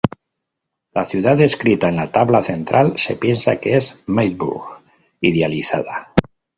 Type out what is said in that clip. La ciudad descrita en la tabla central se piensa que es Middelburg idealizada.